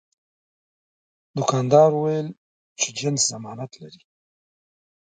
دوکاندار وویل چې جنس ضمانت لري.